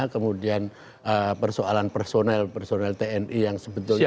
kemudian persoalan personel personel tni yang sebetulnya